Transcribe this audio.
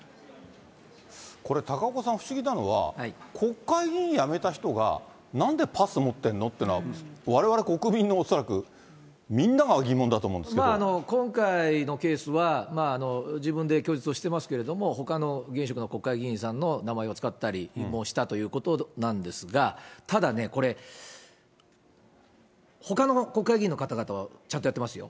これ、高岡さん、不思議なのは、国会議員辞めた人が、なんでパス持ってんの？っていうのは、われわれ、国民の恐らくみんなが今回のケースは、自分で供述をしていますけれども、ほかの現職の国会議員さんの名前を使ったりもしたということなんですが、ただね、これ、ほかの国会議員の方々はちゃんとやってますよ。